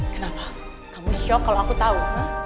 kenapa kamu shock kalau aku tahu